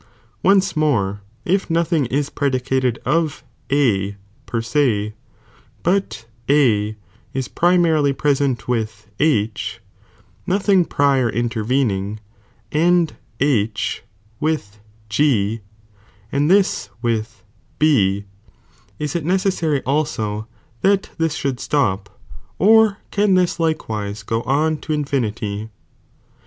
Once more, if nothing is predicated of A per ae, but A is primarily present with H, nothing prior intervening, and H with G, and this with B, ia it necessary also that this should stop, or can this likewise goon t« infinity?